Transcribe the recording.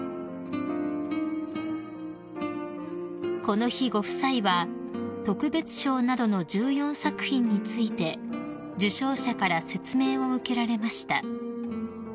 ［この日ご夫妻は特別賞などの１４作品について受賞者から説明を受けられました］